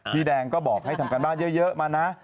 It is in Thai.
พี่แดงก็บอกให้ทำการบ้านเยอะมานะ